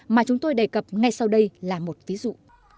mà chúng tôi đề cập ngay sau đây là một ví dụ